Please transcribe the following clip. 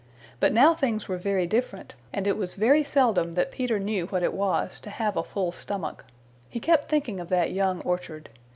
But now things were very different, and it was very seldom that Peter knew what it was to have a full stomach. He kept thinking of that young orchard.